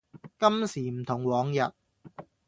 今時唔同往日